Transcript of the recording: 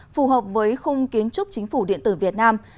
phù hợp với khung kiến trúc chính phủ điện tử việt nam